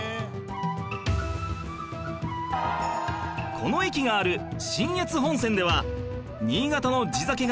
この駅がある信越本線では新潟の地酒が車内で楽しめる